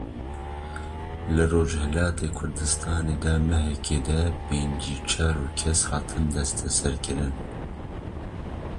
Li Rojhilatê Kurdistanê di mehekê de pêncî û çar kes hatin desteserkirin.